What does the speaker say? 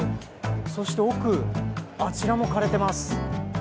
そして奥、あちらも枯れてます。